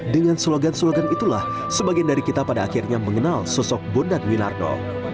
dengan slogan slogan itulah sebagian dari kita pada akhirnya mengenal sosok bondan winardo